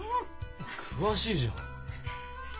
詳しいじゃん。